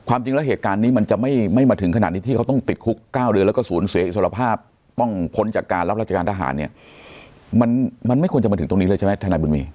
จริงแล้วเหตุการณ์นี้มันจะไม่มาถึงขนาดนี้ที่เขาต้องติดคุก๙เดือนแล้วก็สูญเสียอิสรภาพต้องพ้นจากการรับราชการทหารเนี่ยมันไม่ควรจะมาถึงตรงนี้เลยใช่ไหมทนายบุญมี